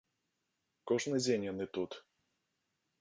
Кожны дзень яны тут.